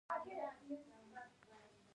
ښتې د افغانستان د هیوادوالو لپاره ویاړ دی.